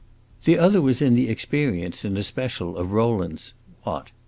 The other was the experience, in especial, of Rowland's what?